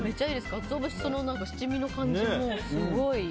カツオ節と七味の感じもすごい。